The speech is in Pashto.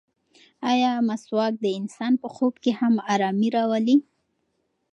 ایا مسواک د انسان په خوب کې هم ارامي راولي؟